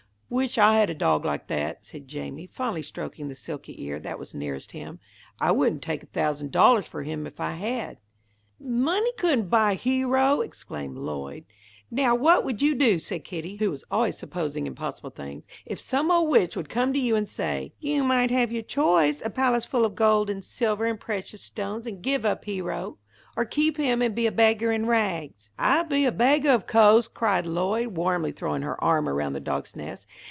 "Wish I had a dog like that," said Jamie, fondly stroking the silky ear that was nearest him. "I wouldn't take a thousand dollars for him if I had." "Money couldn't buy Hero!" exclaimed Lloyd. "Now what would you do," said Kitty, who was always supposing impossible things, "if some old witch would come to you and say, 'You may have your choice? a palace full of gold and silver and precious stones and give up Hero, or keep him and be a beggar in rags?" "I'd be a beggah, of co'se!" cried Lloyd, warmly, throwing her arm around the dog's neck.